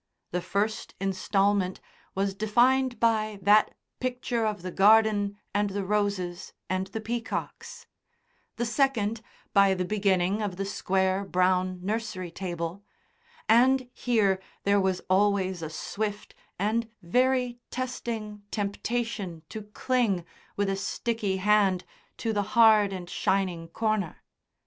The first instalment was defined by that picture of the garden and the roses and the peacocks; the second by the beginning of the square brown nursery table; and here there was always a swift and very testing temptation to cling, with a sticky hand, to the hard and shining corner.